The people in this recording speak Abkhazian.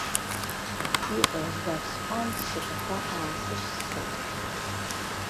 Иҟоу збап сҳәан, сшьаҵақәа аасышьсхит.